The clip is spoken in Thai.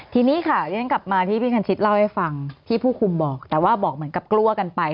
ทีนี้ค่ะเรียนกลับมาที่พี่คันชิดเล่าให้ฟังที่ผู้คุมบอกแต่ว่าบอกเหมือนกับกลัวกันไป